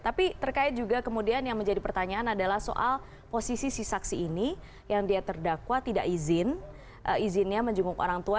tapi terkait juga kemudian yang menjadi pertanyaan adalah soal posisi si saksi ini yang dia terdakwa tidak izin izinnya menjenguk orang tua